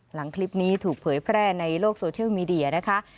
หลังคลิปนี้ถูกเผยแพร่ในโลกโซเชียลมีเดียนะคะ